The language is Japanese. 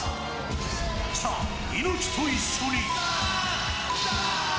さあ猪木と一緒に。